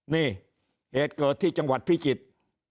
นี่เหตุเกิดที่จังหวัดพิจิตร